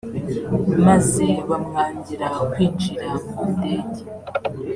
maze bamwangira kwinjira mu ndege